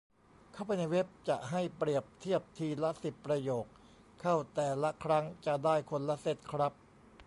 เข้าไปในเว็บจะให้เปรียบเทียบทีละสิบประโยค เข้าแต่ละครั้งจะได้คนละเซ็ตครับ